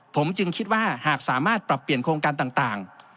ผมจึงคิดว่าหากสามารถปรับเปลี่ยนโครงการต่าง